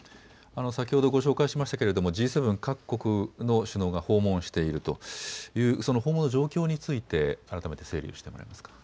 先ほどご紹介しましたがＧ７各国の首脳が訪問しているという、その訪問の状況について改めて整理してもらえますか。